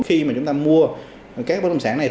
khi mà chúng ta mua các bất động sản này